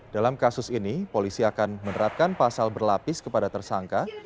dalam kasus ini polisi akan menerapkan pasal berlapis kepada tersangka